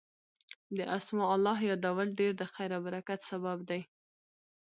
د اسماء الله يادول ډير د خير او برکت سبب دی